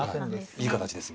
いい形です